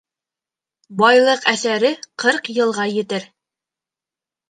Байлыҡ әҫәре ҡырҡ йылға етер.